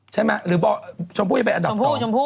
ชมพู่ที่เป็นอันดับสอง